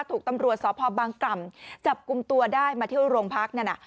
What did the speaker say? ถูกตำรวจสพบางกล่ำจับกลุ่มตัวได้มาเที่ยวโรงพักนั่นน่ะ